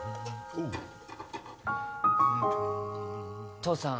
父さん